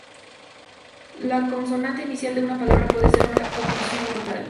La consonante inicial de una palabra puede ser una oclusión glotal.